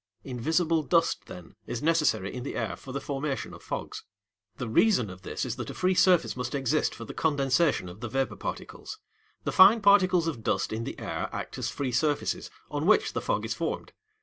Invisible dust, then, is necessary in the air for the formation of fogs. The reason of this is that a free surface must exist for the condensation of the vapour particles. The fine particles of dust in the air act as free surfaces, on which the fog is formed.